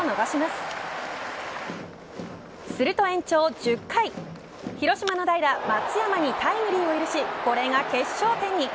すると、延長１０回広島の代打松山にタイムリーを許しこれが決勝点に。